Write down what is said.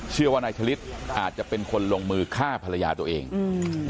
เชื่อว่านายฉลิดอาจจะเป็นคนลงมือฆ่าภรรยาตัวเองอืม